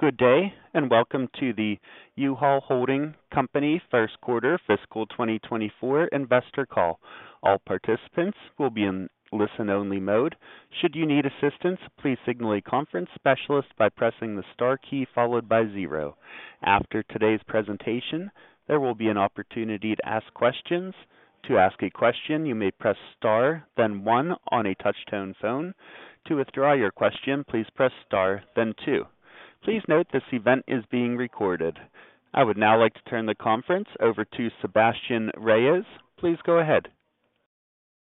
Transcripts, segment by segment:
Good day, and welcome to the U-Haul Holding Company first quarter fiscal 2024 Investor Call. All participants will be in listen-only mode. Should you need assistance, please signal a conference specialist by pressing the star key followed by zero. After today's presentation, there will be an opportunity to ask questions. To ask a question, you may press star, then one on a touch-tone phone. To withdraw your question, please press star, then two. Please note, this event is being recorded. I would now like to turn the conference over to Sebastien Reyes. Please go ahead.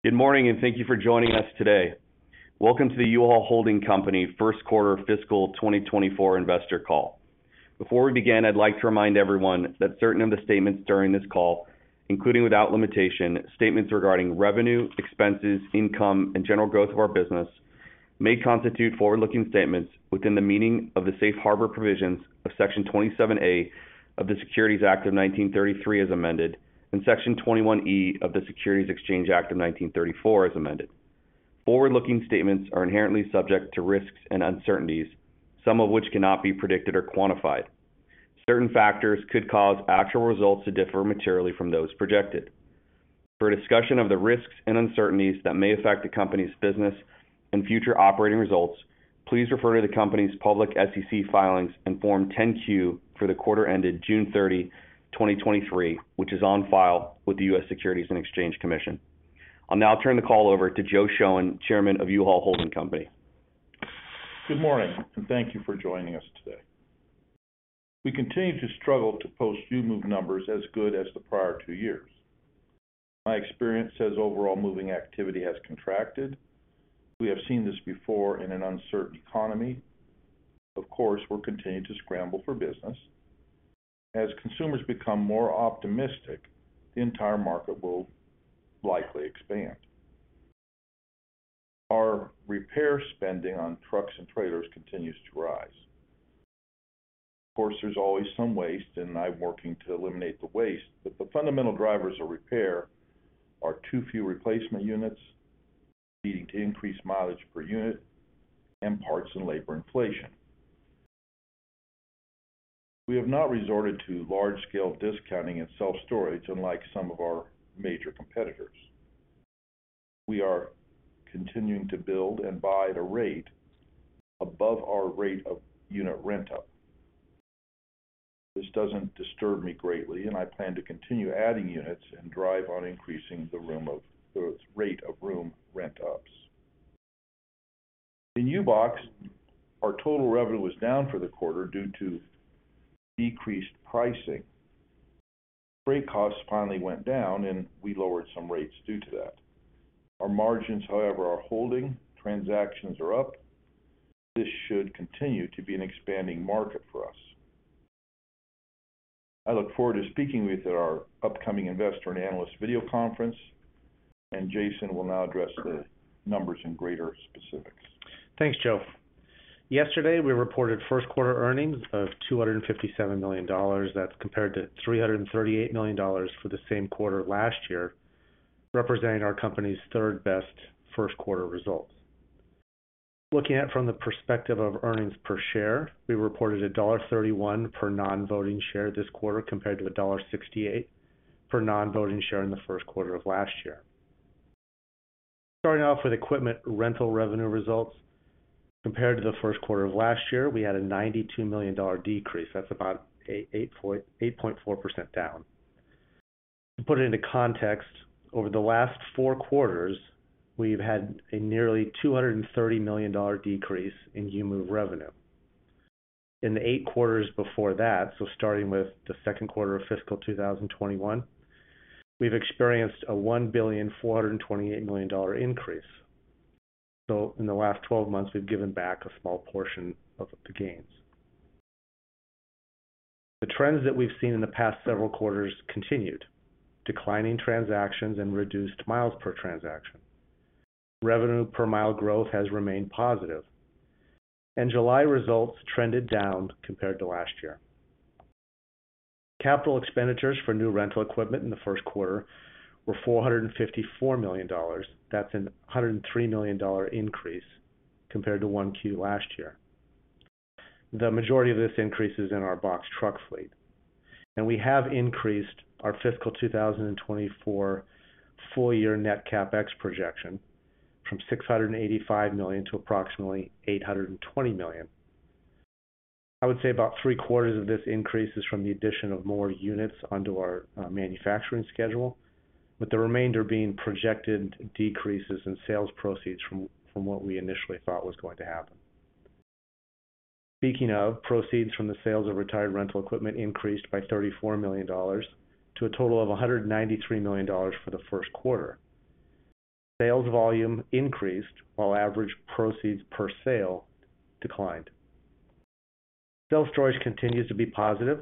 Good morning, and thank you for joining us today. Welcome to the U-Haul Holding Company first quarter fiscal 2024 Investor Call. Before we begin, I'd like to remind everyone that certain of the statements during this call, including without limitation, statements regarding revenue, expenses, income, and general growth of our business, may constitute forward-looking statements within the meaning of the safe harbor provisions of Section 27A of the Securities Act of 1933, as amended, and Section 21E of the Securities Exchange Act of 1934, as amended. Forward-looking statements are inherently subject to risks and uncertainties, some of which cannot be predicted or quantified. Certain factors could cause actual results to differ materially from those projected. For a discussion of the risks and uncertainties that may affect the company's business and future operating results, please refer to the company's public SEC filings and Form 10-Q for the quarter ended June 30, 2023, which is on file with the U.S. Securities and Exchange Commission. I'll now turn the call over to Joe Shoen, Chairman of U-Haul Holding Company. Good morning, thank you for joining us today. We continue to struggle to post new move numbers as good as the prior two years. My experience says overall moving activity has contracted. We have seen this before in an uncertain economy. Of course, we're continuing to scramble for business. As consumers become more optimistic, the entire market will likely expand. Our repair spending on trucks and trailers continues to rise. Of course, there's always some waste, and I'm working to eliminate the waste, but the fundamental drivers of repair are too few replacement units, leading to increased mileage per unit, and parts and labor inflation. We have not resorted to large-scale discounting and self-storage, unlike some of our major competitors. We are continuing to build and buy at a rate above our rate of unit rent up. This doesn't disturb me greatly, and I plan to continue adding units and drive on increasing the rate of room rent ups. In U-Box, our total revenue was down for the quarter due to decreased pricing. Freight costs finally went down, and we lowered some rates due to that. Our margins, however, are holding. Transactions are up. This should continue to be an expanding market for us. I look forward to speaking with you at our upcoming Virtual Analyst and Investor Meeting, and Jason will now address the numbers in greater specifics. Thanks, Joe. Yesterday, we reported first-quarter earnings of $257 million. That's compared to $338 million for the same quarter last year, representing our company's third-best first-quarter results. Looking at from the perspective of earnings per share, we reported $1.31 per non-voting share this quarter, compared to $1.68 per non-voting share in the first quarter of last year. Starting off with equipment rental revenue results. Compared to the first quarter of last year, we had a $92 million decrease. That's about 8.4% down. To put it into context, over the last four quarters, we've had a nearly $230 million decrease in U move revenue. In the eight quarters before that, so starting with the 2Q of fiscal 2021, we've experienced a $1.428 billion increase. In the last 12 months, we've given back a small portion of the gains. The trends that we've seen in the past several quarters continued, declining transactions and reduced miles per transaction. Revenue per mile growth has remained positive, and July results trended down compared to last year. Capital expenditures for new rental equipment in the 1Q were $454 million. That's a $103 million increase compared to 1Q last year. The majority of this increase is in our box truck fleet, and we have increased our fiscal 2024 full-year net CapEx projection from $685 million to approximately $820 million. I would say about 3/4 of this increase is from the addition of more units onto our manufacturing schedule, with the remainder being projected decreases in sales proceeds from, from what we initially thought was going to happen. Speaking of, proceeds from the sales of retired rental equipment increased by $34 million to a total of 193 million for the first quarter. Sales volume increased, while average proceeds per sale declined. Self-storage continues to be positive.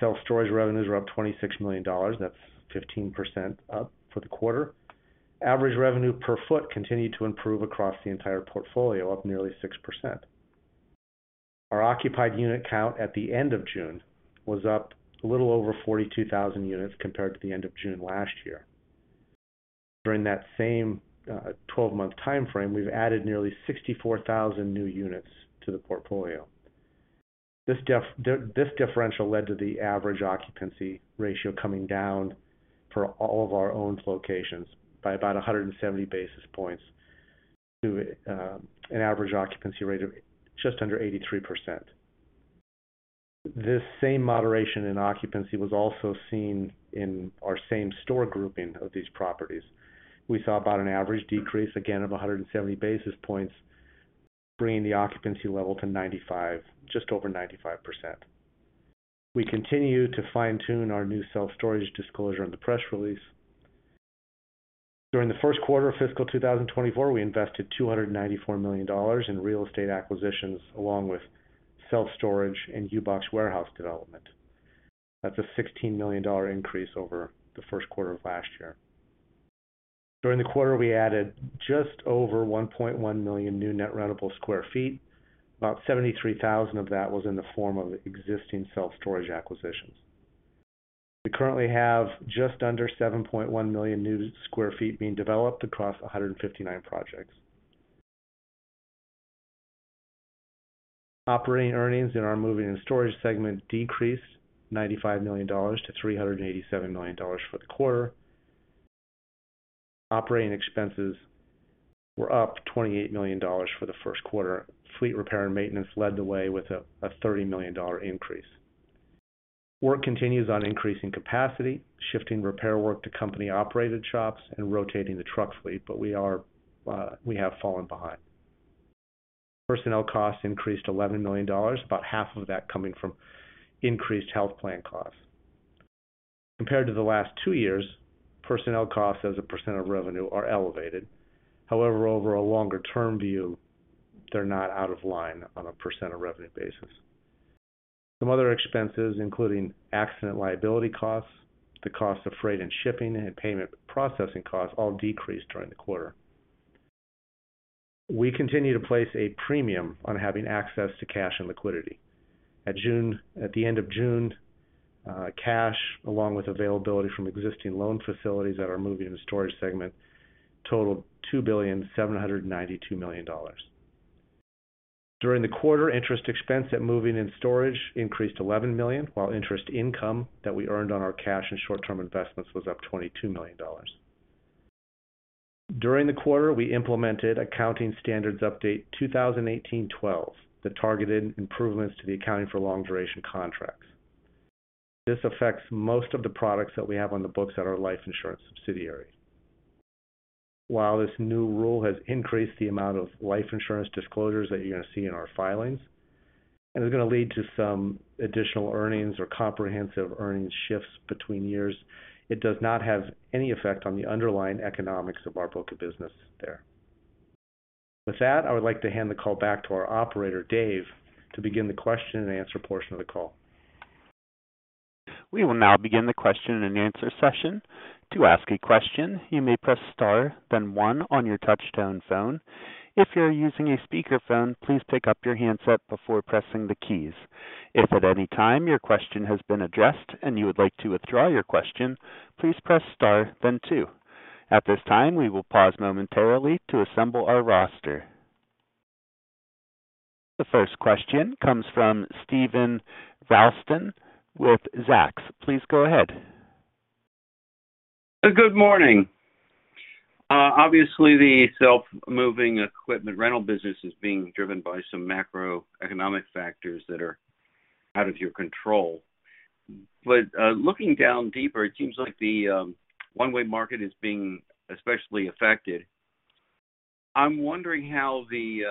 Self-storage revenues are up $26 million. That's 15% up for the quarter. Average revenue per foot continued to improve across the entire portfolio, up nearly 6%. Our occupied unit count at the end of June was up a little over 42,000 units compared to the end of June last year. During that same 12-month time frame, we've added nearly 64,000 new units to the portfolio. This differential led to the average occupancy ratio coming down for all of our owned locations by about 170 basis points to an average occupancy rate of just under 83%. This same moderation in occupancy was also seen in our same store grouping of these properties. We saw about an average decrease, again, of 170 basis points, bringing the occupancy level to 95, just over 95%. We continue to fine-tune our new self-storage disclosure on the press release. During the first quarter of fiscal 2024, we invested $294 million in real estate acquisitions, along with self-storage and U-Box warehouse development. That's a $16 million increase over the first quarter of last year. During the quarter, we added just over 1.1 million new net rentable square feet. About 73,000 of that was in the form of existing self-storage acquisitions. We currently have just under 7.1 million new square feet being developed across 159 projects. Operating earnings in our moving and storage segment decreased $95 million to $387 million for the quarter. Operating expenses were up $28 million for the first quarter. Fleet repair and maintenance led the way with a $30 million increase. Work continues on increasing capacity, shifting repair work to company-operated shops, and rotating the truck fleet, but we are, we have fallen behind. Personnel costs increased $11 million, about half of that coming from increased health plan costs. Compared to the last two years, personnel costs as a % of revenue are elevated. However, over a longer-term view, they're not out of line on a % of revenue basis. Some other expenses, including accident liability costs, the cost of freight and shipping, and payment processing costs, all decreased during the quarter. We continue to place a premium on having access to cash and liquidity. At the end of June, cash, along with availability from existing loan facilities at our moving and storage segment, totaled $2.792 billion. During the quarter, interest expense at moving and storage increased $11 million, while interest income that we earned on our cash and short-term investments was up $22 million. During the quarter, we implemented Accounting Standards Update 2018-12, that targeted improvements to the accounting for long-duration contracts. This affects most of the products that we have on the books at our life insurance subsidiary. While this new rule has increased the amount of life insurance disclosures that you're going to see in our filings, and is going to lead to some additional earnings or comprehensive earnings shifts between years, it does not have any effect on the underlying economics of our book of business there. With that, I would like to hand the call back to our operator, Dave, to begin the question and answer portion of the call. We will now begin the question and answer session. To ask a question, you may press star, then one on your touchtone phone. If you are using a speakerphone, please pick up your handset before pressing the keys. If at any time your question has been addressed and you would like to withdraw your question, please press star then two. At this time, we will pause momentarily to assemble our roster. The first question comes from Steven Ralston with Zacks. Please go ahead. Good morning. Obviously, the Self-Moving Equipment Rental business is being driven by some macroeconomic factors that are out of your control. Looking down deeper, it seems like the one-way market is being especially affected. I'm wondering how the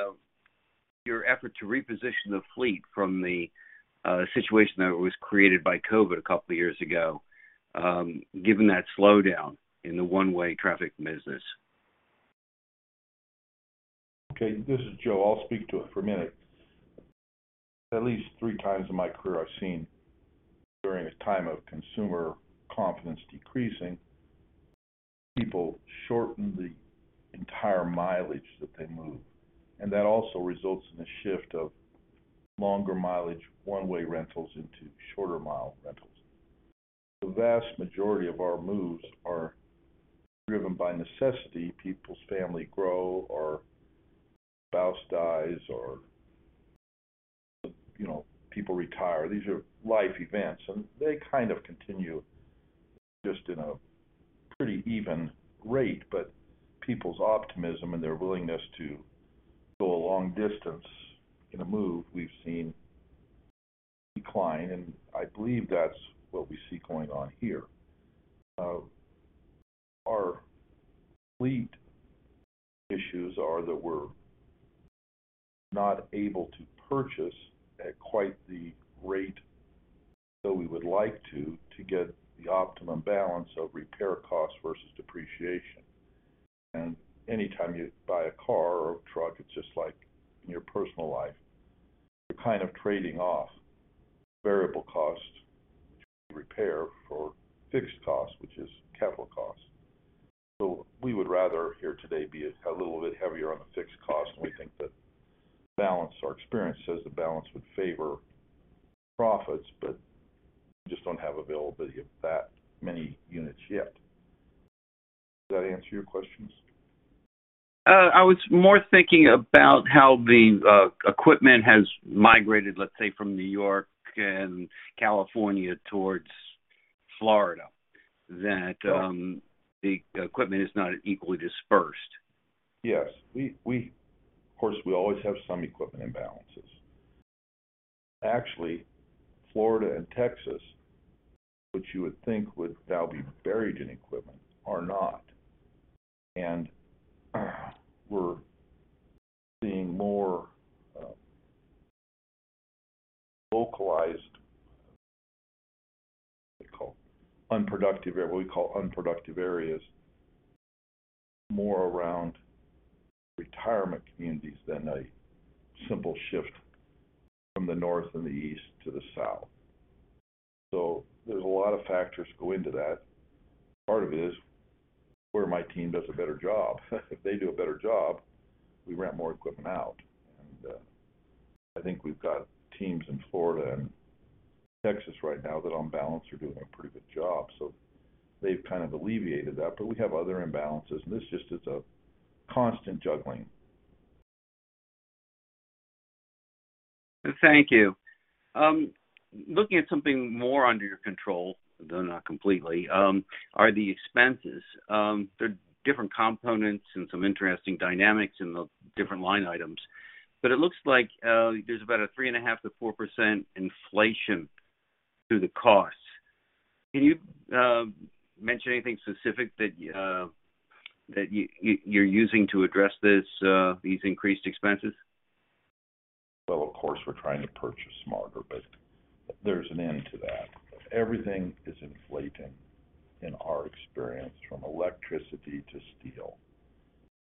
your effort to reposition the fleet from the situation that was created by COVID two years ago, given that slowdown in the one-way traffic business? Okay, this is Joe. I'll speak to it for a minute. At least three times in my career, I've seen during a time of consumer confidence decreasing, people shorten the entire mileage that they move, and that also results in a shift of longer mileage, one-way rentals into shorter mile rentals. The vast majority of our moves are driven by necessity. People's family grow or spouse dies or, you know, people retire. These are life events, and they kind of continue just in a pretty even rate, but people's optimism and their willingness to go a long distance in a move, we've seen decline, and I believe that's what we see going on here. Our fleet issues are that we're not able to purchase at quite the rate, though we would like to, to get the optimum balance of repair costs versus depreciation. Anytime you buy a car or a truck, it's just like in your personal life. You're kind of trading off variable cost to repair for fixed costs, which is capital costs. We would rather here today be a little bit heavier on the fixed cost, and we think that balance, our experience says the balance would favor. Profits, but we just don't have availability of that many units yet. Does that answer your questions? I was more thinking about how the equipment has migrated, let's say, from New York and California towards Florida, that the equipment is not equally dispersed. Yes. We, we Of course, we always have some equipment imbalances. Actually, Florida and Texas, which you would think would now be buried in equipment, are not. We're seeing more localized, what do you call it? Unproductive area, what we call unproductive areas, more around retirement communities than a simple shift from the north and the east to the south. There's a lot of factors go into that. Part of it is where my team does a better job. If they do a better job, we rent more equipment out. I think we've got teams in Florida and Texas right now that, on balance, are doing a pretty good job. They've kind of alleviated that, but we have other imbalances, and this just is a constant juggling. Thank you. Looking at something more under your control, though not completely, are the expenses. There are different components and some interesting dynamics in the different line items, but it looks like there's about a 3.5%-4% inflation to the costs. Can you mention anything specific that you're using to address these increased expenses? Well, of course, we're trying to purchase smarter, but there's an end to that. Everything is inflating in our experience, from electricity to steel.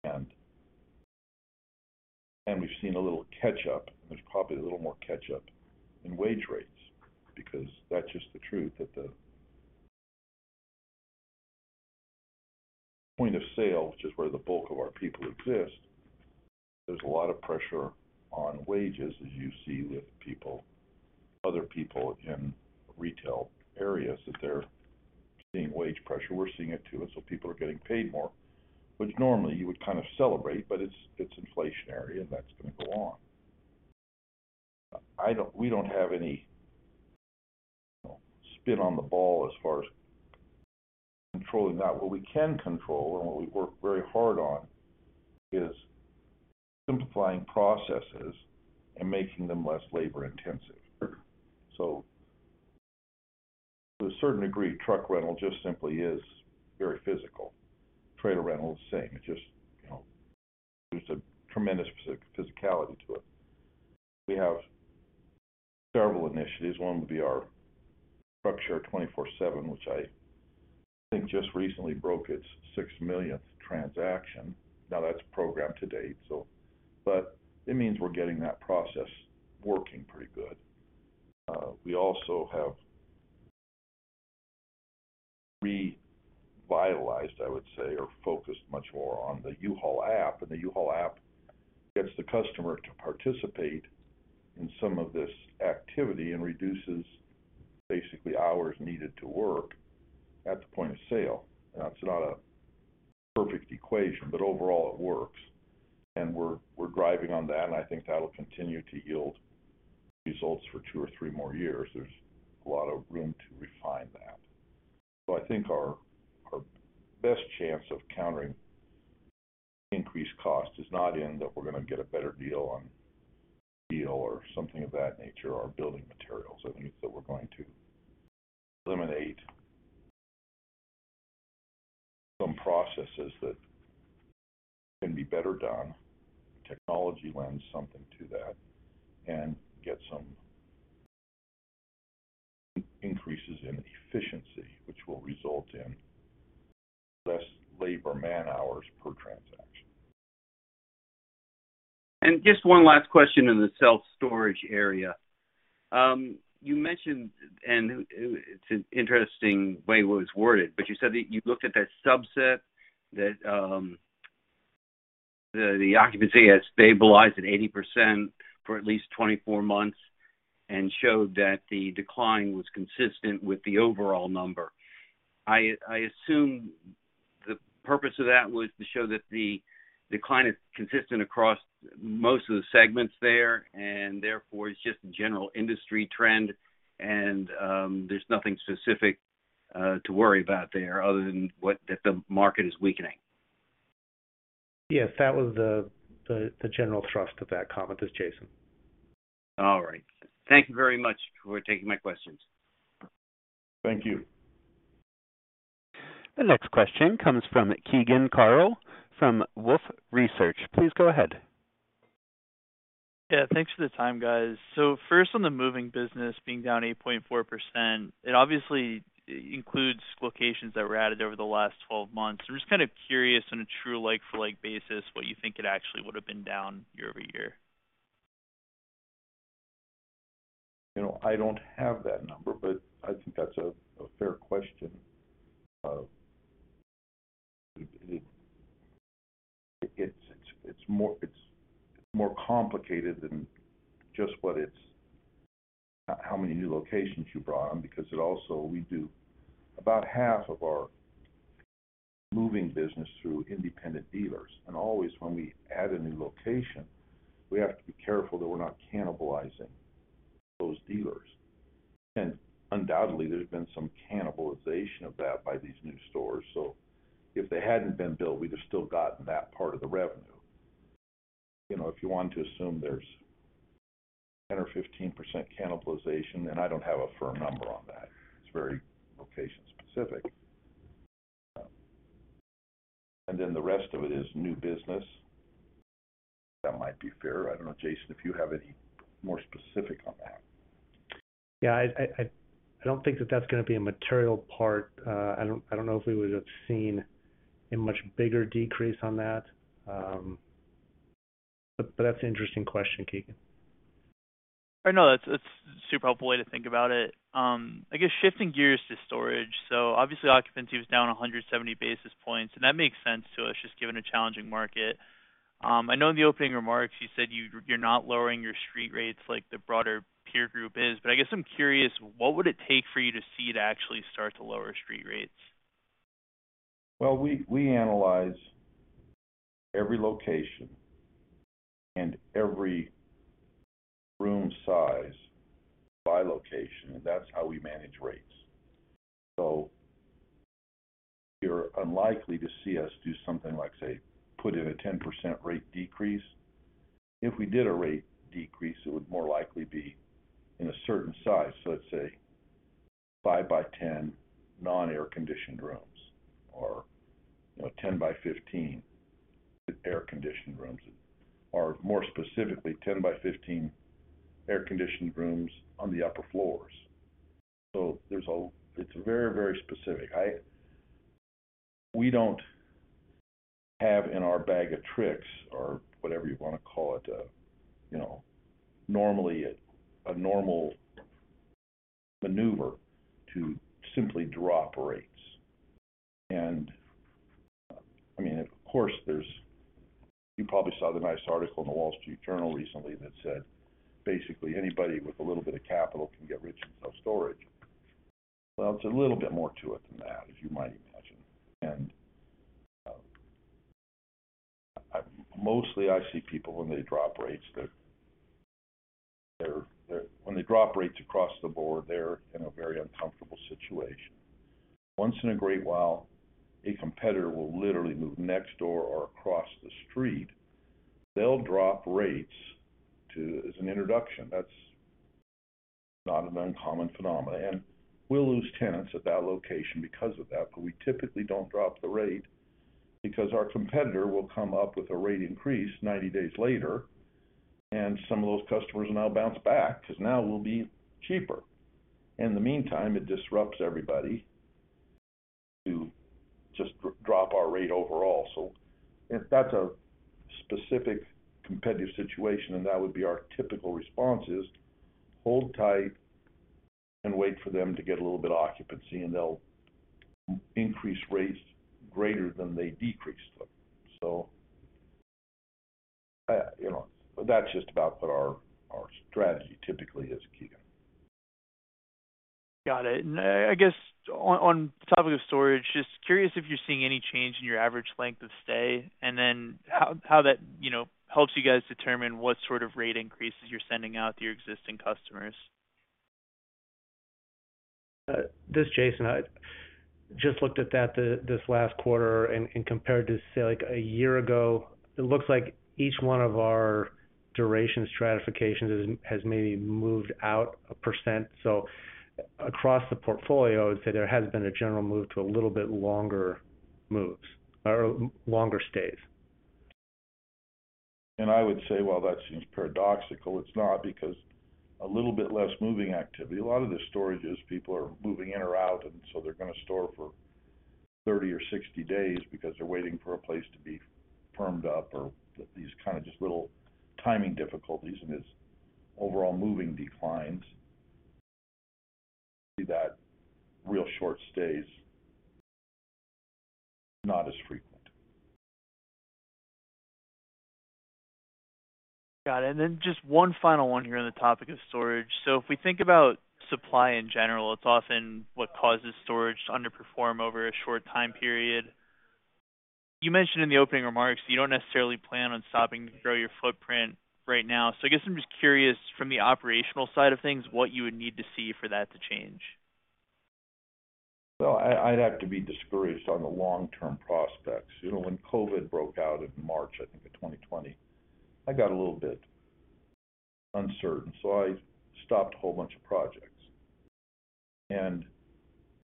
And we've seen a little catch-up, and there's probably a little more catch-up in wage rates because that's just the truth, that the point of sale, which is where the bulk of our people exist, there's a lot of pressure on wages, as you see with people, other people in retail areas, that they're seeing wage pressure. We're seeing it, too, and so people are getting paid more, which normally you would kind of celebrate, but it's, it's inflationary, and that's going to go on. We don't have any spin on the ball as far as controlling that. What we can control and what we work very hard on is simplifying processes and making them less labor intensive. To a certain degree, truck rental just simply is very physical. Trailer rental is the same. It just, you know, there's a tremendous physicality to it. We have several initiatives. One would be our Truckshare 24/7, which I think just recently broke its 6 millionth transaction. That's program to date, so... It means we're getting that process working pretty good. We also have revitalized, I would say, or focused much more on the U-Haul App, and the U-Haul App gets the customer to participate in some of this activity and reduces basically hours needed to work at the point of sale. It's not a perfect equation, but overall it works, and we're, we're driving on that, and I think that'll continue to yield results for two or three more years. There's a lot of room to refine that. I think our, our best chance of countering increased cost is not in that we're going to get a better deal on steel or something of that nature, or building materials, I think that we're going to eliminate some processes that can be better done. technology lends something to that, and get some increases in efficiency, which will result in less labor man-hours per transaction. Just one last question in the self-storage area. You mentioned, it's an interesting way it was worded, but you said that you looked at that subset, that the occupancy has stabilized at 80% for at least 24 months and showed that the decline was consistent with the overall number. I, I assume the purpose of that was to show that the decline is consistent across most of the segments there, therefore, it's just a general industry trend, there's nothing specific to worry about there other than that the market is weakening. Yes, that was the, the, the general thrust of that comment. It's Jason. All right. Thank you very much for taking my questions. Thank you. The next question comes from Keegan Carl from Wolfe Research. Please go ahead. Yeah, thanks for the time, guys. First, on the moving business being down 8.4%, it obviously includes locations that were added over the last 12 months. I'm just kind of curious, on a true like-for-like basis, what you think it actually would have been down year-over-year? You know, I don't have that number, but I think that's a fair question. It's more complicated than just how many new locations you brought on, because it also, we do about half of our moving business through independent dealers. Always, when we add a new location, we have to be careful that we're not cannibalizing those dealers. Undoubtedly, there's been some cannibalization of that by these new stores. If they hadn't been built, we'd have still gotten that part of the revenue. You know, if you want to assume there's 10% or 15% cannibalization, and I don't have a firm number on that, it's very location-specific. Then the rest of it is new business. That might be fair. I don't know, Jason, if you have any more specific on that. Yeah, I, I, I don't think that that's gonna be a material part. I don't, I don't know if we would have seen a much bigger decrease on that. That's an interesting question, Keegan. I know that's, that's a super helpful way to think about it. I guess shifting gears to storage, obviously, occupancy was down 170 basis points, that makes sense to us, just given a challenging market. I know in the opening remarks, you said you're not lowering your street rates like the broader peer group is, I guess I'm curious, what would it take for you to see it actually start to lower street rates? Well, we, we analyze every location and every room size by location, and that's how we manage rates. You're unlikely to see us do something like, say, put in a 10% rate decrease. If we did a rate decrease, it would more likely be in a certain size, so let's say 5 by 10 non-air-conditioned rooms, or, you know, 10 by 15 air-conditioned rooms, or more specifically, 10 by 15 air-conditioned rooms on the upper floors. There's a. It's very, very specific. We don't have in our bag of tricks or whatever you wanna call it, you know, a normal maneuver to simply drop rates. I mean, of course, there's. You probably saw the nice article in The Wall Street Journal recently that said, basically, anybody with a little bit of capital can get rich in self-storage. Well, it's a little bit more to it than that, as you might imagine. Mostly, I see people when they drop rates, when they drop rates across the board, they're in a very uncomfortable situation. Once in a great while, a competitor will literally move next door or across the street. They'll drop rates as an introduction. That's not an uncommon phenomenon, and we'll lose tenants at that location because of that, but we typically don't drop the rate because our competitor will come up with a rate increase 90 days later, and some of those customers will now bounce back because now we'll be cheaper. In the meantime, it disrupts everybody to just drop our rate overall. If that's a specific competitive situation, and that would be our typical response is: hold tight and wait for them to get a little bit of occupancy, and they'll increase rates greater than they decreased them. You know, that's just about what our, our strategy typically is, Keegan. Got it. I, I guess on, on the topic of storage, just curious if you're seeing any change in your average length of stay, and then how, how that, you know, helps you guys determine what sort of rate increases you're sending out to your existing customers? This is Jason. I just looked at that this, this last quarter and, and compared to, say, like, one year ago, it looks like each one of our duration stratifications has, has maybe moved out 1%. Across the portfolio, I'd say there has been a general move to a little bit longer moves or longer stays. I would say, while that seems paradoxical, it's not, because a little bit less moving activity. A lot of the storage is people are moving in or out, and so they're gonna store for 30 or 60 days because they're waiting for a place to be firmed up or these kind of just little timing difficulties and its overall moving declines. See that real short stays, not as frequent. Got it, and then just 1 final one here on the topic of storage. If we think about supply in general, it's often what causes storage to underperform over a short time period. You mentioned in the opening remarks, you don't necessarily plan on stopping to grow your footprint right now. I guess I'm just curious, from the operational side of things, what you would need to see for that to change? Well, I, I'd have to be discouraged on the long-term prospects. You know, when COVID broke out in March, I think, of 2020, I got a little bit uncertain, so I stopped a whole bunch of projects.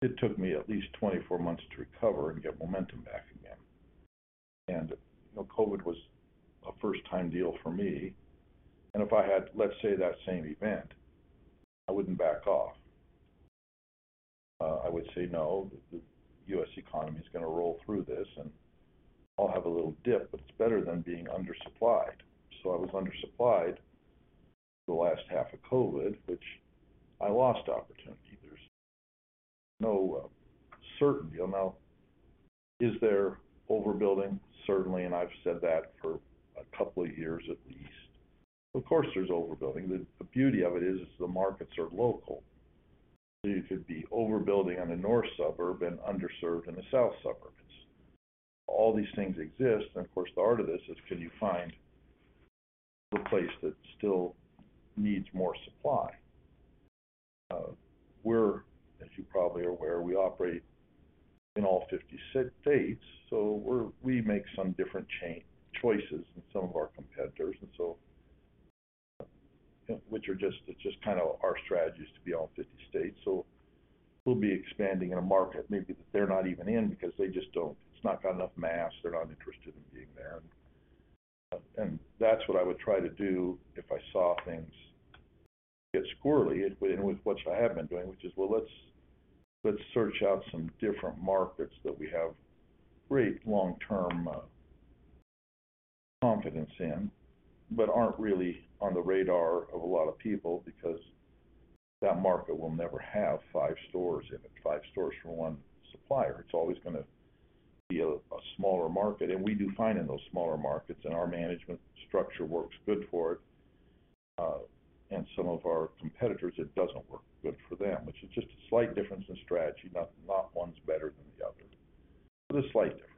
It took me at least 24 months to recover and get momentum back again. You know, COVID was a first-time deal for me, and if I had, let's say, that same event, I wouldn't back off. I would say, no, the U.S. economy is gonna roll through this, and I'll have a little dip, but it's better than being undersupplied. I was undersupplied the last half of COVID, which I lost opportunity. There's no certainty. Now, is there overbuilding? Certainly, and I've said that for a couple of years at least. Of course, there's overbuilding. The, the beauty of it is, is the markets are local. You could be overbuilding on the north suburb and underserved in the south suburbs. All these things exist, and of course, the art of this is can you find a place that still needs more supply? We're, as you probably are aware, we operate in all 50 states, so we make some different choices than some of our competitors, and so, which are just, it's just kind of our strategy is to be in all 50 states. We'll be expanding in a market maybe that they're not even in because they just don't it's not got enough mass, they're not interested in being there. That's what I would try to do if I saw things get squirrely, which I have been doing, which is, well, let's, let's search out some different markets that we have great long-term confidence in, but aren't really on the radar of a lot of people because that market will never have 5 stores in it, 5 stores from one supplier. It's always going to be a, a smaller market, and we do fine in those smaller markets, and our management structure works good for it. Some of our competitors, it doesn't work good for them, which is just a slight difference in strategy, not, not one's better than the other. A slight difference.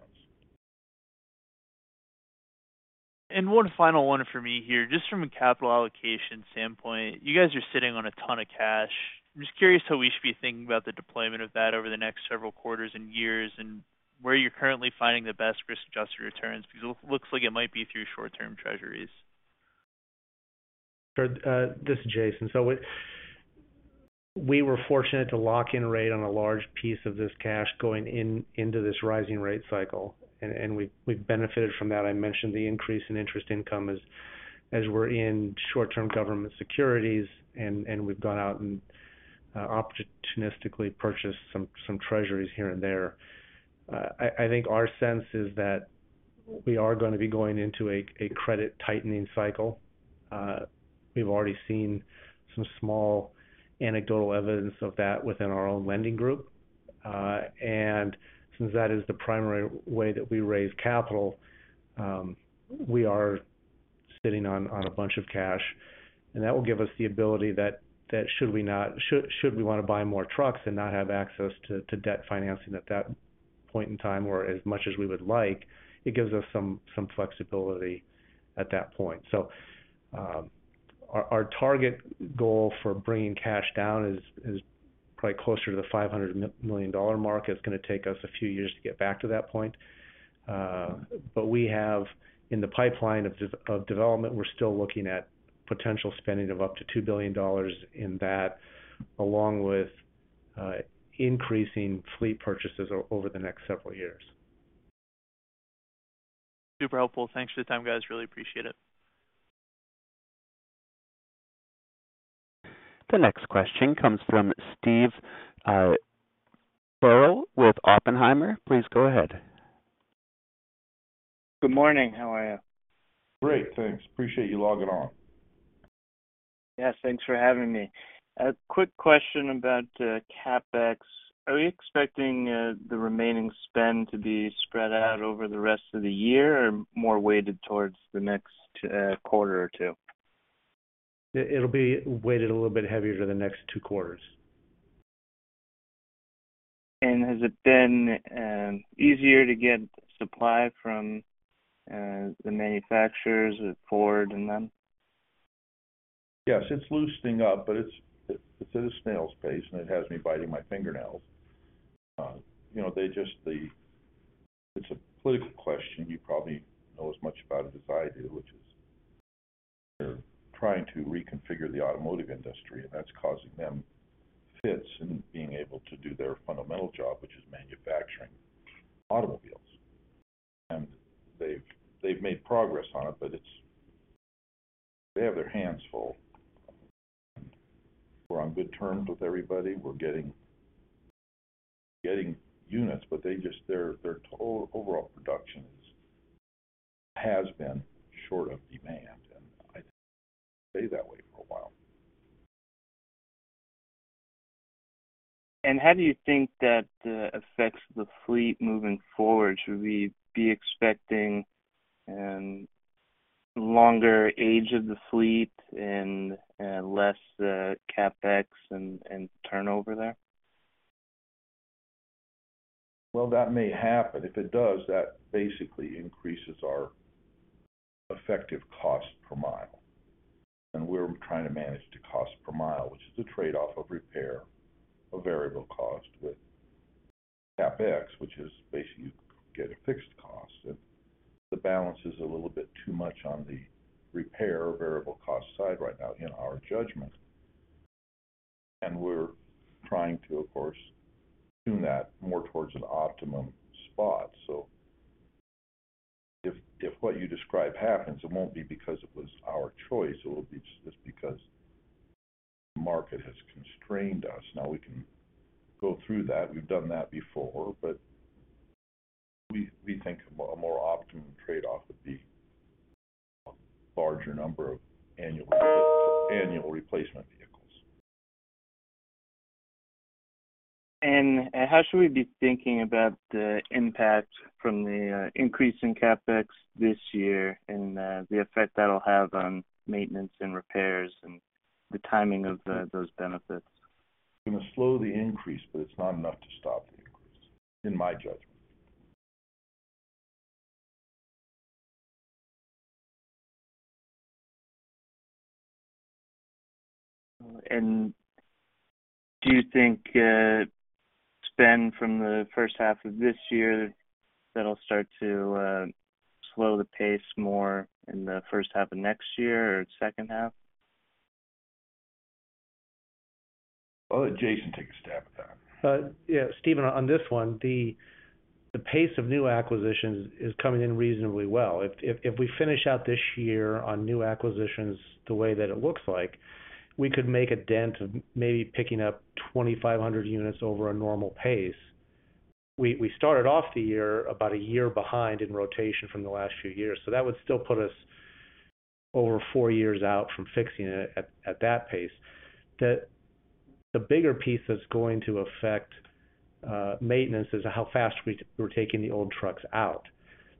One final one for me here. Just from a capital allocation standpoint, you guys are sitting on a ton of cash. I'm just curious how we should be thinking about the deployment of that over the next several quarters and years, and where you're currently finding the best risk-adjusted returns, because it looks like it might be through short-term treasuries. Sure. This is Jason. We, we were fortunate to lock in rate on a large piece of this cash going in, into this rising rate cycle, and, and we've, we've benefited from that. I mentioned the increase in interest income as, as we're in short-term government securities, and, and we've gone out and opportunistically purchased some, some treasuries here and there. I think our sense is that we are going to be going into a credit tightening cycle. We've already seen some small anecdotal evidence of that within our own lending group. Since that is the primary way that we raise capital, we are sitting on a bunch of cash, and that will give us the ability that should we want to buy more trucks and not have access to debt financing at that point in time, or as much as we would like, it gives us some flexibility at that point. Our, our target goal for bringing cash down is probably closer to the $500 million mark. It's going to take us a few years to get back to that point. We have in the pipeline of development, we're still looking at potential spending of up to $2 billion in that, along with increasing fleet purchases over the next several years. Super helpful. Thanks for your time, guys. Really appreciate it. The next question comes from Steve Farrell with Oppenheimer. Please go ahead. Good morning. How are you? Great, thanks. Appreciate you logging on. Yes, thanks for having me. A quick question about CapEx. Are you expecting the remaining spend to be spread out over the rest of the year or more weighted towards the next quarter or two? It'll be weighted a little bit heavier to the next two quarters. Has it been easier to get supply from the manufacturers at Ford and them? Yes, it's loosening up, but it's at a snail's pace, and it has me biting my fingernails. You know, they just. It's a political question. You probably know as much about it as I do, which is they're trying to reconfigure the automotive industry, and that's causing them fits in being able to do their fundamental job, which is manufacturing automobiles. They've, they've made progress on it, but it's. They have their hands full. We're on good terms with everybody. We're getting, getting units, but they just. Their overall production is, has been short of demand, and I think it will stay that way for a while. How do you think that affects the fleet moving forward? Should we be expecting longer age of the fleet and less CapEx and turnover there? Well, that may happen. If it does, that basically increases our effective cost per mile. We're trying to manage the cost per mile, which is a trade-off of repair, a variable cost with CapEx, which is basically you get a fixed cost. The balance is a little bit too much on the repair variable cost side right now, in our judgment. We're trying to, of course, tune that more towards an optimum spot. If, if what you describe happens, it won't be because it was our choice, it will be just because the market has constrained us. Now, we can go through that. We've done that before. We, we think a more, a more optimum trade-off would be a larger number of annual, annual replacement vehicles. How should we be thinking about the impact from the increase in CapEx this year, and the effect that'll have on maintenance and repairs and the timing of those benefits? It'll slow the increase, but it's not enough to stop the increase, in my judgment. Do you think, spend from the first half of this year, that'll start to slow the pace more in the first half of next year or the second half? I'll let Jason take a stab at that. Yeah, Steven, on this one, the pace of new acquisitions is coming in reasonably well. If we finish out this year on new acquisitions, the way that it looks like, we could make a dent of maybe picking up 2,500 units over a normal pace. We started off the year about a year behind in rotation from the last few years, that would still put us over four years out from fixing it at that pace. The bigger piece that's going to affect maintenance is how fast we're taking the old trucks out.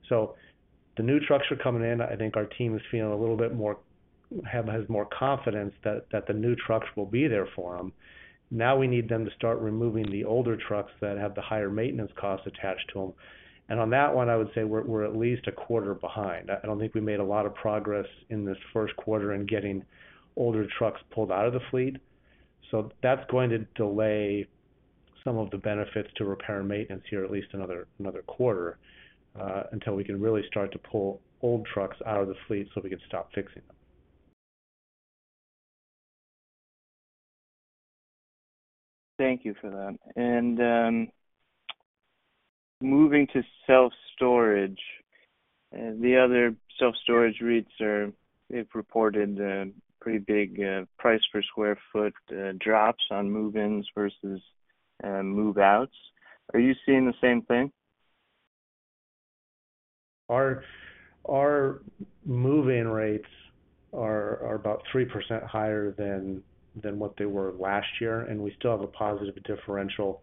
The new trucks are coming in. I think our team is feeling a little bit more. Has more confidence that the new trucks will be there for them. We need them to start removing the older trucks that have the higher maintenance costs attached to them. On that one, I would say we're, we're at least a quarter behind. I don't think we made a lot of progress in this first quarter in getting older trucks pulled out of the fleet. That's going to delay some of the benefits to repair and maintenance here, at least another, another quarter until we can really start to pull old trucks out of the fleet so we can stop fixing them. Thank you for that. Moving to self-storage. The other self-storage REITs are, they've reported, pretty big, price per square foot, drops on move-ins versus, move-outs. Are you seeing the same thing? Our, our move-in rates are, are about 3% higher than, than what they were last year, and we still have a positive differential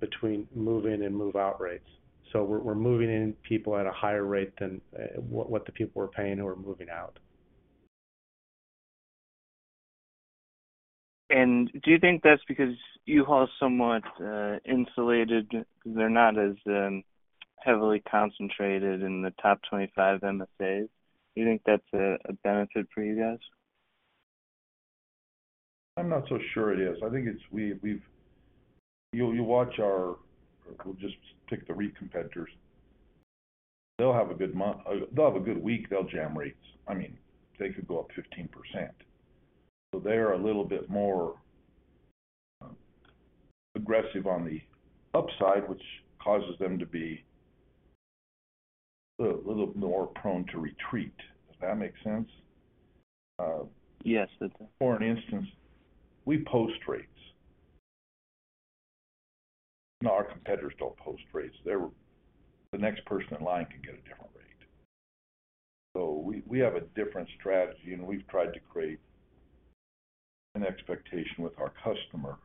between move-in and move-out rates. We're, we're moving in people at a higher rate than, what, what the people were paying who are moving out. Do you think that's because U-Haul is somewhat insulated, because they're not as heavily concentrated in the top 25 MSAs? Do you think that's a, a benefit for you guys? I'm not so sure it is. I think it's we, we've... You, you watch our-- we'll just pick the REIT competitors. They'll have a good month, they'll have a good week, they'll jam rates. I mean, they could go up 15%. They are a little bit more aggressive on the upside, which causes them to be a, little more prone to retreat. Does that make sense? Yes, it does. For an instance, we post rates. Now, our competitors don't post rates. The next person in line can get a different rate. We, we have a different strategy, and we've tried to create an expectation with our customer,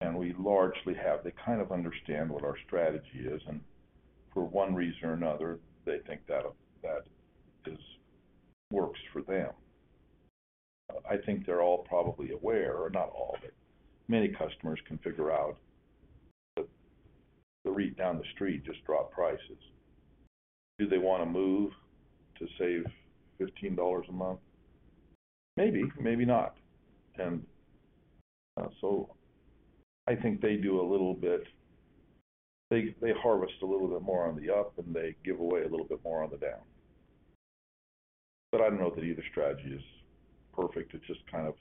and we largely have. They kind of understand what our strategy is, and for one reason or another, they think that is, works for them. I think they're all probably aware, or not all, but many customers can figure out the REIT down the street just dropped prices. Do they want to move to save $15 a month? Maybe, maybe not. I think they do a little bit... They, they harvest a little bit more on the up, and they give away a little bit more on the down. I don't know that either strategy is perfect. It's just kind of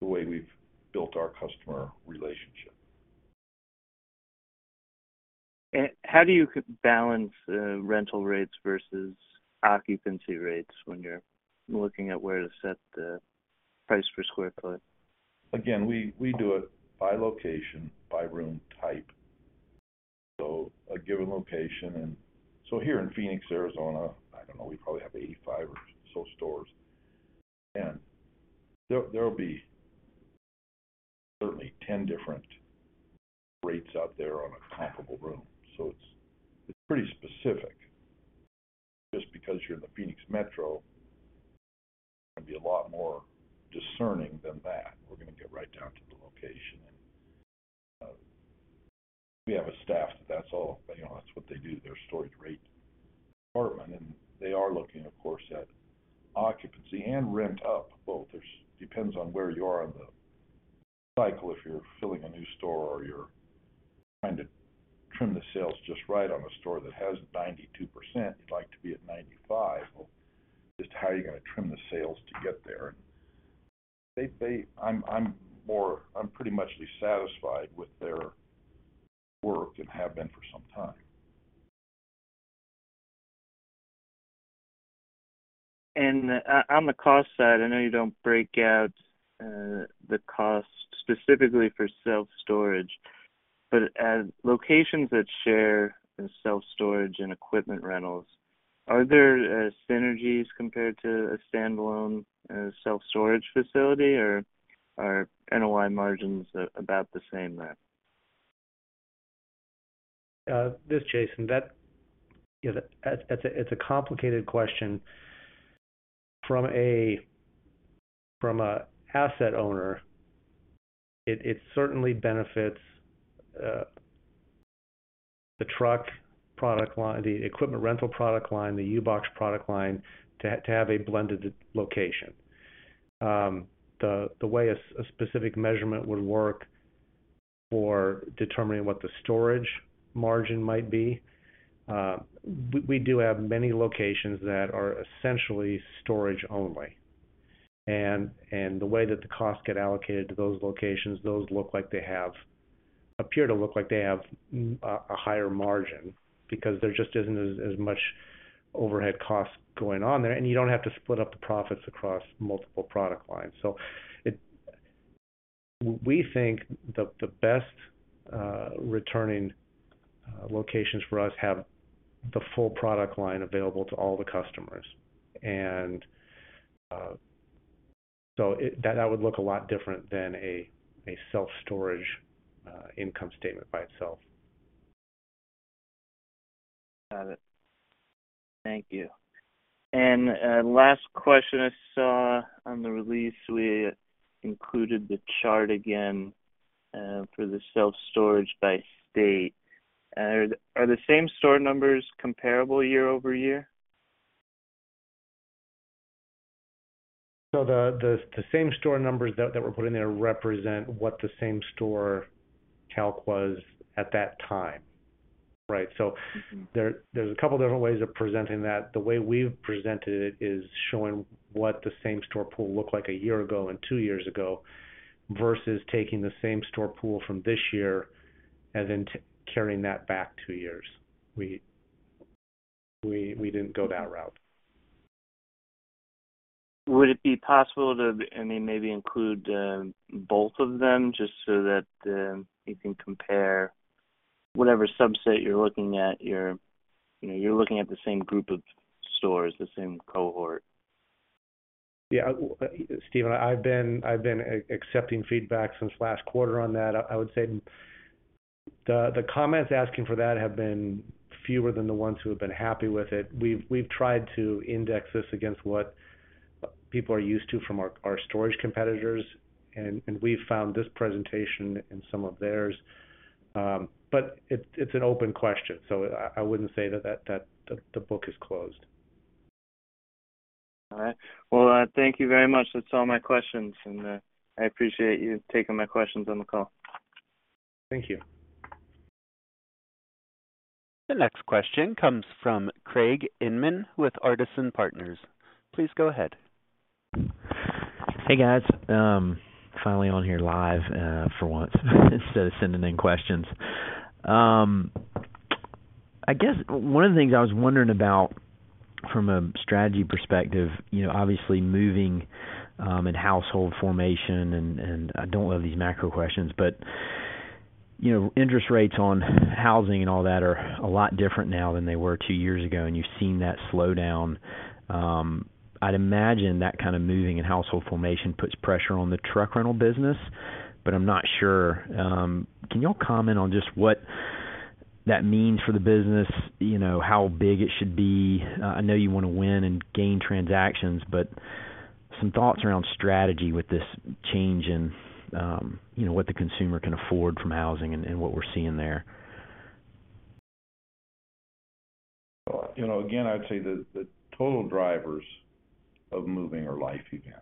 the way we've built our customer relationship. How do you balance rental rates versus occupancy rates when you're looking at where to set the price per sq ft? Again, we, we do it by location, by room type. A given location, and so here in Phoenix, Arizona, I don't know, we probably have 85 or so stores, and there, there'll be certainly 10 different rates out there on a comparable room. It's, it's pretty specific. Just because you're in the Phoenix Metro, you're gonna be a lot more discerning than that. We're gonna get right down to the location and we have a staff, that's all, you know, that's what they do, they're a storage rate department, and they are looking, of course, at occupancy and rent up. Well, depends on where you are on the cycle, if you're filling a new store or you're trying to trim the sales just right on a store that has 92%, you'd like to be at 95. Just how are you gonna trim the sales to get there? I'm pretty much satisfied with their work and have been for some time. On the cost side, I know you don't break out the cost specifically for self-storage, but as locations that share in self-storage and equipment rentals, are there synergies compared to a standalone self-storage facility, or are NOI margins about the same there? This is Jason. That's a, it's a complicated question. From a, from a asset owner, it, it certainly benefits the truck product line, the equipment rental product line, the U-Box product line, to have, to have a blended location. The way a specific measurement would work for determining what the storage margin might be, we, we do have many locations that are essentially storage only. The way that the costs get allocated to those locations, those appear to look like they have a higher margin because there just isn't as, as much overhead costs going on there, and you don't have to split up the profits across multiple product lines. We think the best returning locations for us have the full product line available to all the customers. That would look a lot different than a self-storage income statement by itself. Got it. Thank you. Last question I saw on the release, we included the chart again, for the self-storage by state. Are the, are the same store numbers comparable year-over-year? No. The, the, the same store numbers that, that were put in there represent what the same store calc was at that time, right? There, there's a couple different ways of presenting that. The way we've presented it is showing what the same store pool looked like a year ago and two years ago, versus taking the same store pool from this year and then carrying that back two years. We, we, we didn't go that route. Would it be possible to, I mean, maybe include, both of them just so that, you can compare whatever subset you're looking at, you're, you know, you're looking at the same group of stores, the same cohort? Yeah. Steven, I've been accepting feedback since last quarter on that. I, I would say the, the comments asking for that have been fewer than the ones who have been happy with it. We've, we've tried to index this against what people are used to from our, our storage competitors, and, and we've found this presentation in some of theirs, but it's, it's an open question, so I, I wouldn't say that, that, that, the, the book is closed. All right. Well, thank you very much. That's all my questions. I appreciate you taking my questions on the call. Thank you. The next question comes from Craig Inman with Artisan Partners. Please go ahead. Hey, guys. Finally on here live, for once, instead of sending in questions. I guess one of the things I was wondering about from a strategy perspective, you know, obviously, moving, and household formation, and I don't love these macro questions, but, you know, interest rates on housing and all that are a lot different now than they were two years ago, and you've seen that slow down. I'd imagine that kind of moving and household formation puts pressure on the truck rental business, but I'm not sure. Can you all comment on just what that means for the business, you know, how big it should be? I know you want to win and gain transactions, but some thoughts around strategy with this change in, you know, what the consumer can afford from housing and what we're seeing there? You know, again, I'd say the, the total drivers of moving are life events.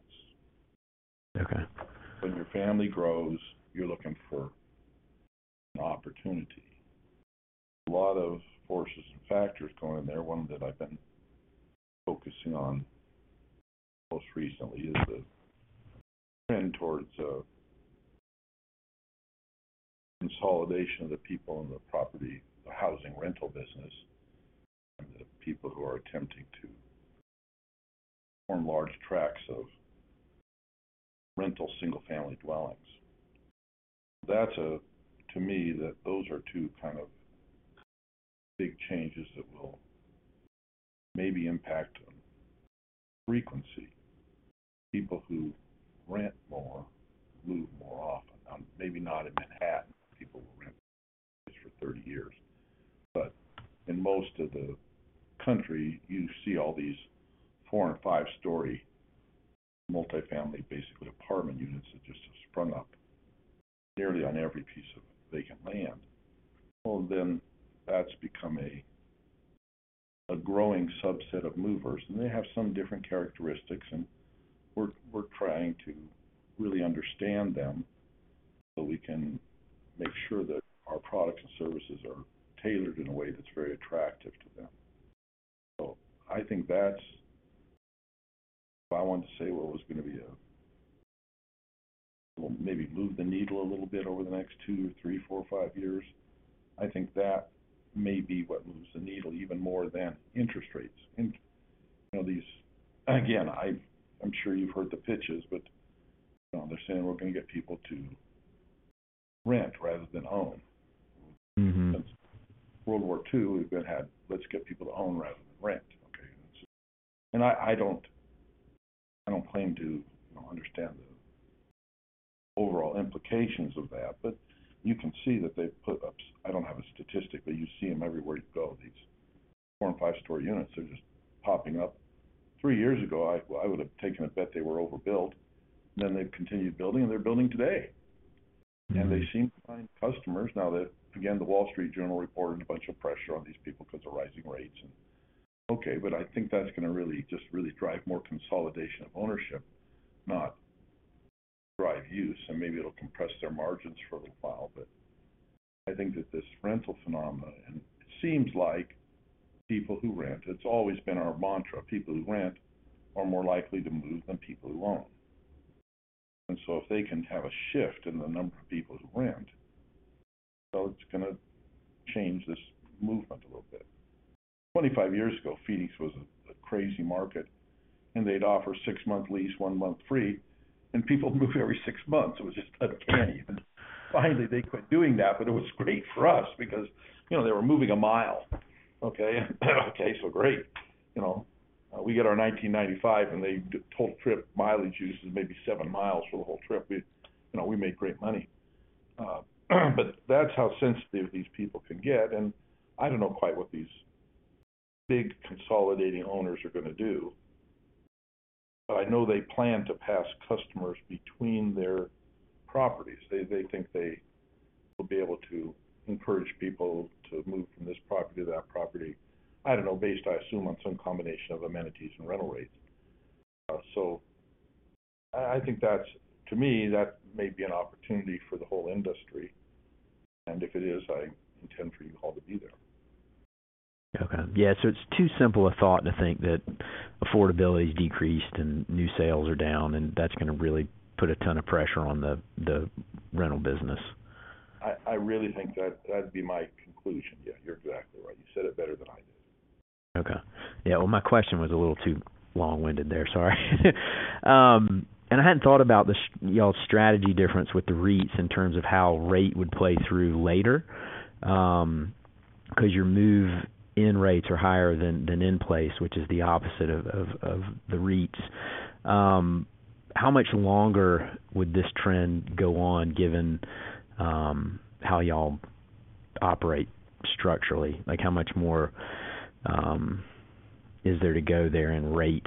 Okay. When your family grows, you're looking for an opportunity. A lot of forces and factors go in there. One that I've been focusing on most recently is the trend towards a consolidation of the people in the property, the housing rental business, and the people who are attempting to form large tracks of rental, single-family dwellings. That's. To me, that those are two kind of big changes that will maybe impact frequency. People who rent more, move more often. Maybe not in Manhattan, where people will rent for 30 years. In most of the country, you see all these four- and five-story multifamily, basically apartment units that just have sprung up nearly on every piece of vacant land. That's become a, a growing subset of movers. They have some different characteristics. We're trying to really understand them so we can make sure that our products and services are tailored in a way that's very attractive to them. I think that's if I want to say what was going to be a, maybe move the needle a little bit over the next two or three, four, or five years, I think that may be what moves the needle even more than interest rates. You know, these, again, I, I'm sure you've heard the pitches, but they're saying we're going to get people to rent rather than own. Since World War II, we've been had, "Let's get people to own rather than rent." Okay. I, I don't, I don't claim to, you know, understand the overall implications of that. You can see that they've put up. I don't have a statistic. You see them everywhere you go, these four- and five-story units, they're just popping up. Three years ago, I, I would have taken a bet they were overbuilt. They've continued building, and they're building today. They seem to find customers. Now that, again, The Wall Street Journal reported a bunch of pressure on these people because of rising rates, okay, but I think that's going to really, just really drive more consolidation of ownership, not drive use, and maybe it'll compress their margins for a little while. I think that this rental phenomenon, it seems like people who rent, it's always been our mantra, people who rent are more likely to move than people who own. So if they can have a shift in the number of people who rent, so it's gonna change this movement a little bit. 25 years ago, Phoenix was a crazy market, and they'd offer six month lease, one month free, and people moved every six months. It was just uncanny. Finally, they quit doing that, but it was great for us because, you know, they were moving a mile. Okay? Okay, great. You know, we get our $19.95, and the total trip mileage use is maybe seven miles for the whole trip. We, you know, we make great money. But that's how sensitive these people can get, and I don't know quite what these big consolidating owners are going to do, but I know they plan to pass customers between their properties. They, they think they will be able to encourage people to move from this property to that property. I don't know, based, I assume, on some combination of amenities and rental rates. I, I think that's, to me, that may be an opportunity for the whole industry. If it is, I intend for U-Haul to be there. Okay. Yeah, it's too simple a thought to think that affordability is decreased and new sales are down, and that's going to really put a ton of pressure on the, the rental business. I really think that'd be my conclusion. Yeah, you're exactly right. You said it better than I did. Yeah, well, my question was a little too long-winded there. Sorry. I hadn't thought about the y'all's strategy difference with the REITs in terms of how rate would play through later. 'Cause your move-in rates are higher than, than in place, which is the opposite of, of, of the REITs. How much longer would this trend go on, given how y'all operate structurally? Like, how much more is there to go there in rate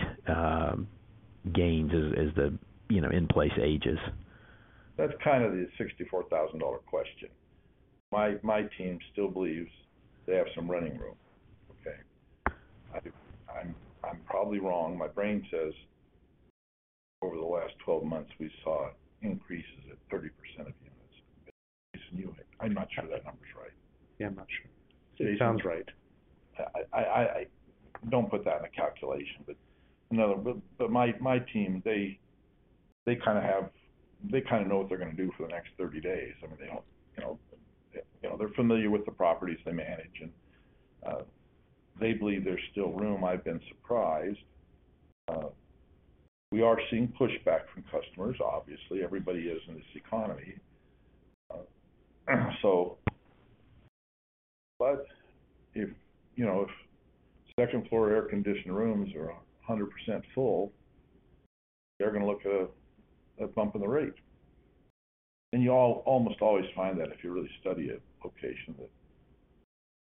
gains as, as the, you know, in-place ages? That's kind of the $64,000 question. My team still believes they have some running room, okay? I'm probably wrong. My brain says over the last 12 months, we saw increases at 30% of the units. Jason, you had. I'm not sure that number's right. Yeah, I'm not sure. It sounds right. I, I, I don't put that in the calculation, but, you know, but, but my, my team, they, they kind of know what they're going to do for the next 30 days. I mean, they don't, you know... You know, they're familiar with the properties they manage, and they believe there's still room. I've been surprised. We are seeing pushback from customers. Obviously, everybody is in this economy. But if, you know, if second-floor air-conditioned rooms are 100% full, they're going to look at a,a bump in the rate. You all almost always find that if you really study a location, that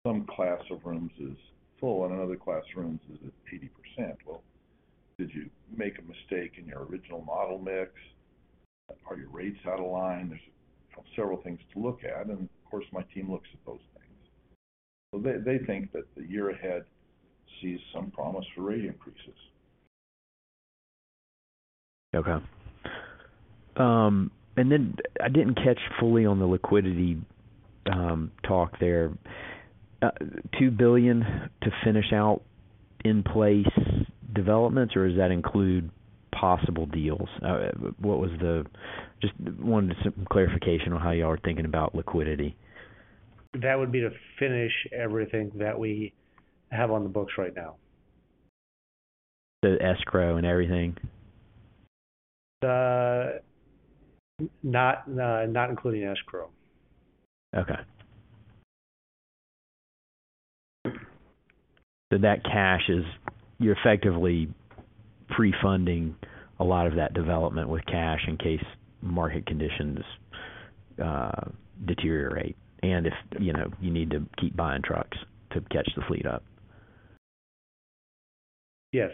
some class of rooms is full and another class of rooms is at 80%. Well, did you make a mistake in your original model mix? Are your rates out of line? There's several things to look at, and of course, my team looks at those things. They, they think that the year ahead sees some promise for rate increases. Okay. Then I didn't catch fully on the liquidity talk there. $2 billion to finish out in-place developments, or does that include possible deals? What was the... Just wanted some clarification on how y'all are thinking about liquidity. That would be to finish everything that we have on the books right now. The escrow and everything? Not, not including escrow. Okay. That cash is, you're effectively pre-funding a lot of that development with cash in case market conditions deteriorate, and if, you know, you need to keep buying trucks to catch the fleet up. Yes,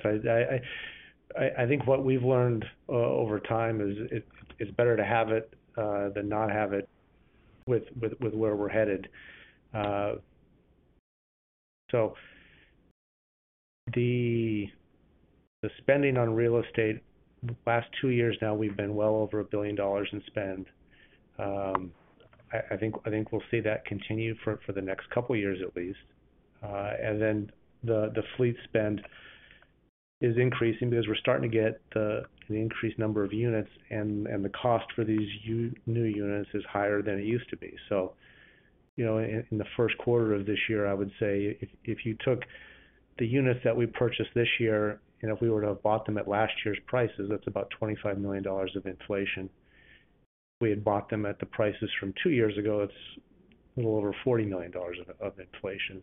I think what we've learned over time is it's, it's better to have it than not have it with where we're headed. The spending on real estate, the last two years now, we've been well over $1 billion in spend. I think we'll see that continue for the next couple of years at least. Then the fleet spend is increasing because we're starting to get the, the increased number of units, and the cost for these new units is higher than it used to be. You know, in, in the first quarter of this year, I would say if, if you took the units that we purchased this year, and if we were to have bought them at last year's prices, that's about $25 million of inflation. If we had bought them at the prices from two years ago, it's a little over $40 million of inflation.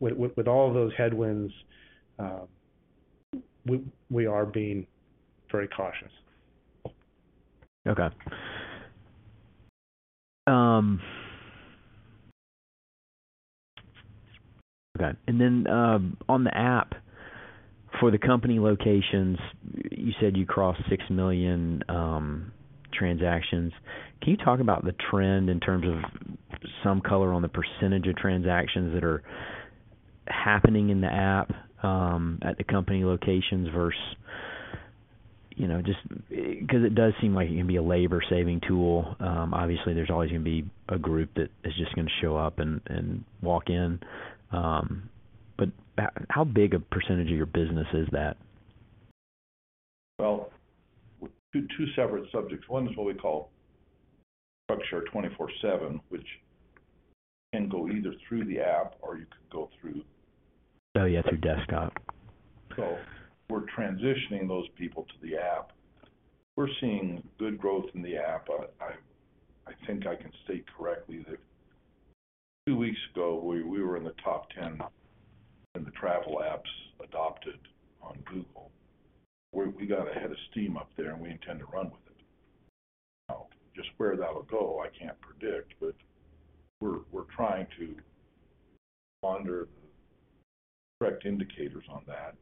With, with, with all of those headwinds, we, we are being very cautious. and then, um, on the app for the company locations, you said you crossed 6 million transactions. Can you talk about the trend in terms of some color on the percentage of transactions that are happening in the app at the company locations versus, you know, just? Because it does seem like it can be a labor-saving tool. Obviously, there's always going to be a group that is just going to show up and walk in. But how big a percentage of your business is that? Well, two, two separate subjects. One is what we call Structure 24/7, which can go either through the app or you can go through. Oh, yeah, through desktop. We're transitioning those people to the app. We're seeing good growth in the app. I, I, I think I can state correctly that two weeks ago, we, we were in the top 10 in the travel apps adopted on Google, where we got a head of steam up there, and we intend to run with it. Just where that'll go, I can't predict, but we're, we're trying to ponder the correct indicators on that.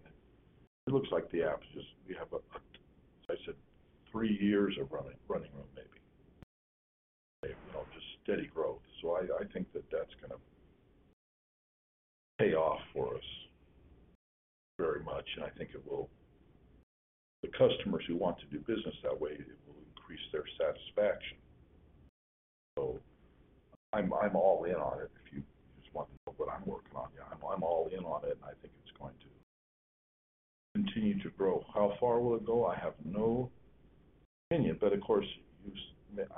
It looks like the app is, we have a, like I said, three years of running, running room, maybe. You know, just steady growth. I, I think that that's gonna pay off for us very much, and I think it will. The customers who want to do business that way, it will increase their satisfaction. I'm, I'm all in on it, if you just want to know what I'm working on. Yeah, I'm all in on it. I think it's going to continue to grow. How far will it go? I have no opinion, but of course,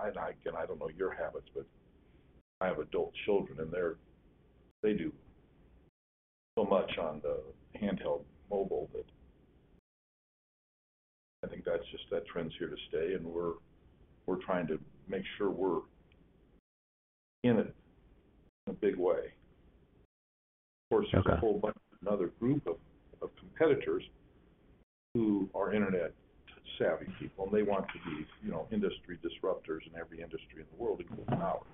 I, again, I don't know your habits, but I have adult children, and they do so much on the handheld mobile that I think that trend's here to stay. We're, we're trying to make sure we're in it in a big way. Okay. Of course, there's a whole bunch, another group of, of competitors who are internet-savvy people, and they want to be, you know, industry disruptors in every industry in the world, including ours.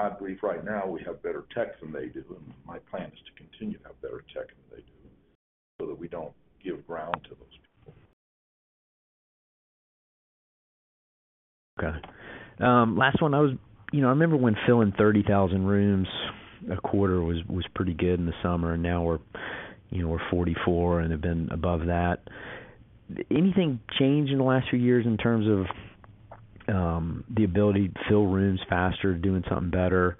God, brief, right now, we have better tech than they do, and my plan is to continue to have better tech than they do so that we don't give ground to those people. Okay. Last one. you know, I remember when filling 30,000 rooms a quarter was, was pretty good in the summer, and now we're, you know, we're 44 and have been above that. Anything changed in the last few years in terms of the ability to fill rooms faster, doing something better?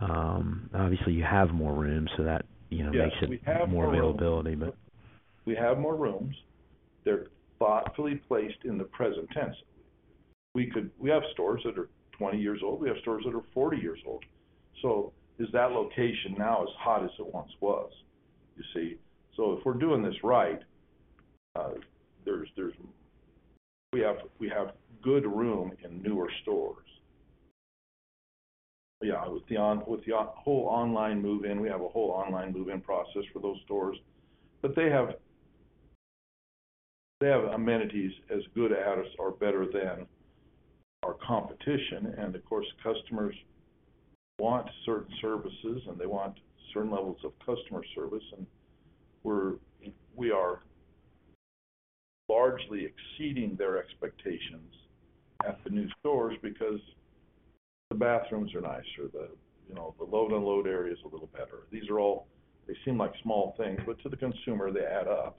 Obviously, you have more rooms, so that, you know. Yes, we have more rooms. Makes it more availability, but. We have more rooms. They're thoughtfully placed in the present tense. We have stores that are 20 years old. We have stores that are 40 years old. Is that location now as hot as it once was? You see. If we're doing this right, there's We have good room in newer stores. Yeah, with the whole online move-in, we have a whole online move-in process for those stores. They have amenities as good as or better than our competition, and of course, customers want certain services, and they want certain levels of customer service, and we are largely exceeding their expectations at the new stores because the bathrooms are nicer, the, you know, the load/unload area is a little better. These are all. They seem like small things, but to the consumer, they add up.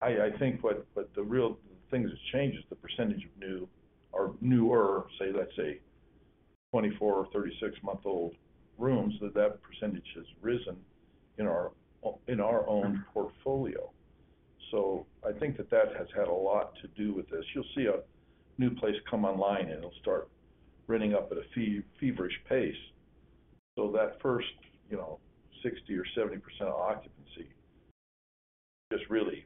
I, I think what, what the real thing that's changed is the % of new or newer, say, let's say, 24 or 36-month-old rooms, that, that % has risen in our own portfolio. I think that that has had a lot to do with this. You'll see a new place come online, and it'll start renting up at a feverish pace. That first, you know, 60% or 70% occupancy just really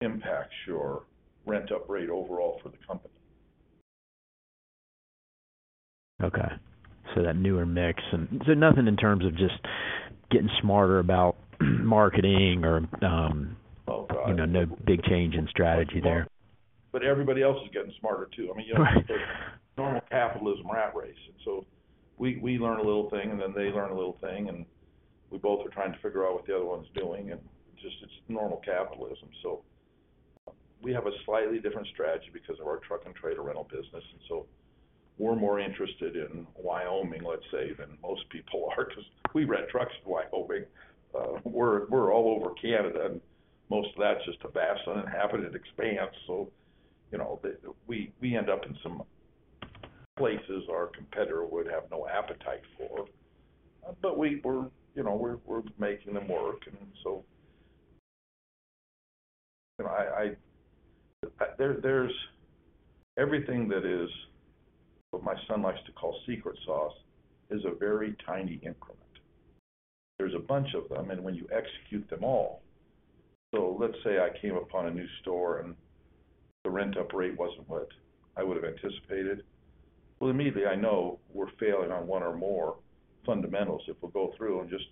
impacts your rent-up rate overall for the company. Okay. So that newer mix and, nothing in terms of just getting smarter about marketing or. God. You know, no big change in strategy there? Everybody else is getting smarter, too. I mean, you know- Right. Normal capitalism, rat race. We, we learn a little thing, and then they learn a little thing, and we both are trying to figure out what the other one's doing, and just it's normal capitalism. We have a slightly different strategy because of our truck and trailer rental business, so we're more interested in Wyoming, let's say, than most people are because we rent trucks in Wyoming. We're, we're all over Canada, and most of that's just a vast uninhabited expanse, so, you know, we, we end up in some places our competitor would have no appetite for, but we're, you know, we're, we're making them work. I. There's everything that is, what my son likes to call secret sauce, is a very tiny increment. There's a bunch of them, and when you execute them all... Let's say I came upon a new store, and the rent-up rate wasn't what I would have anticipated. Well, immediately, I know we're failing on one or more fundamentals. If we go through and just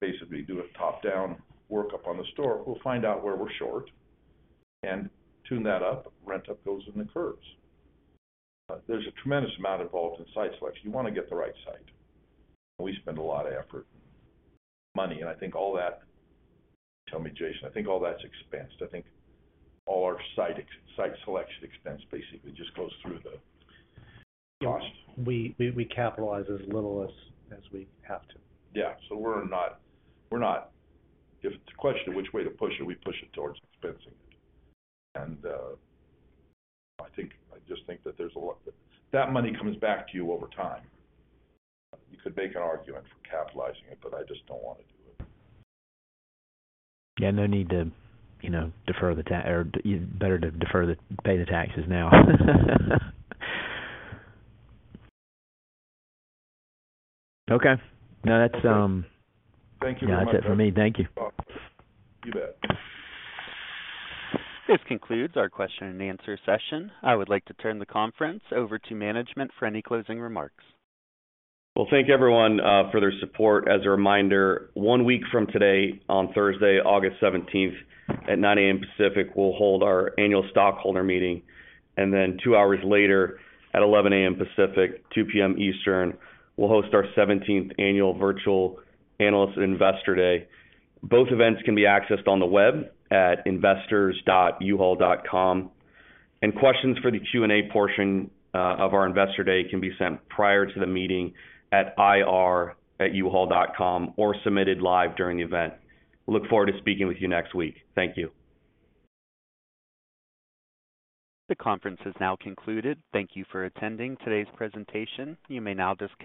basically do a top-down workup on the store, we'll find out where we're short and tune that up. Rent up goes and occurs. There's a tremendous amount involved in site selection. You want to get the right site. We spend a lot of effort, money, and I think all that, tell me, Jason, I think all that's expensed. I think all our site selection expense basically just goes through the costs. We, we, we capitalize as little as, as we have to. Yeah. We're not, we're not if it's a question of which way to push it, we push it towards expensing it. I think, I just think that there's a lot... That money comes back to you over time. You could make an argument for capitalizing it. I just don't want to do it. Yeah, no need to, you know, defer the or better to defer the, pay the taxes now. Okay. No, that's- Thank you very much. That's it for me. Thank you. You bet. This concludes our question and answer session. I would like to turn the conference over to management for any closing remarks. Well, thank everyone for their support. As a reminder, one week from today, on Thursday, August 17th, at 9:00 A.M. Pacific, we'll hold our annual stockholder meeting, and two hours later, at 11:00 A.M. Pacific, 2:00 P.M. Eastern, we'll host our 17th annual Virtual Analyst and Investor Day. Both events can be accessed on the web at investors.uhaul.com, and questions for the Q&A portion of our Investor Day can be sent prior to the meeting at IR@uhaul.com or submitted live during the event. We look forward to speaking with you next week. Thank you. The conference is now concluded. Thank you for attending today's presentation. You may now disconnect.